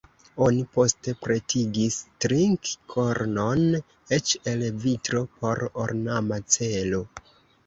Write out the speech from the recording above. Oni poste pretigis trink-kornon eĉ el vitro por ornama celo.